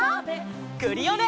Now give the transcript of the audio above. クリオネ！